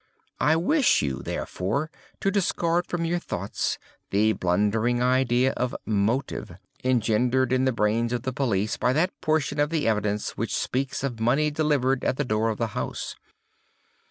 I wish you, therefore, to discard from your thoughts the blundering idea of motive, engendered in the brains of the police by that portion of the evidence which speaks of money delivered at the door of the house.